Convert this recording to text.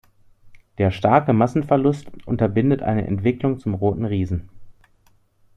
Der starke Masseverlust unterbindet eine Entwicklung zum Roten Riesen.